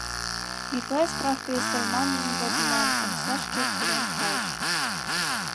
Миклай «Справке ӱстел» манын возыман омсашке пурен кайыш.